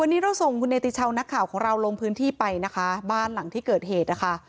วันนี้เราส่งคุณเนติชาวนักข่าวของเราลงพื้นที่ไปนะคะบ้านหลังที่เกิดเหตุนะคะ